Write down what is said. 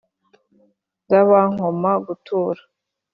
Zabankoma gutura,